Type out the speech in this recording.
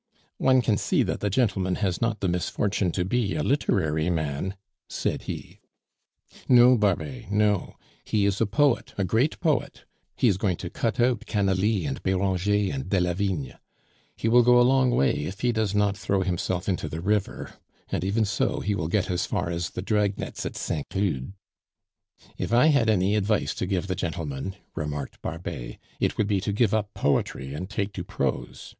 "One can see that the gentleman has not the misfortune to be a literary man," said he. "No, Barbet no. He is a poet, a great poet; he is going to cut out Canalis, and Beranger, and Delavigne. He will go a long way if he does not throw himself into the river, and even so he will get as far as the drag nets at Saint Cloud." "If I had any advice to give the gentleman," remarked Barbet, "it would be to give up poetry and take to prose.